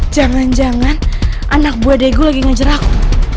jangan jangan anak buah degu lagi nganjur aku